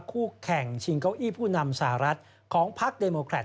คู่แข่งชิงเก้าอี้ผู้นำสหรัฐของพักเดโมแครต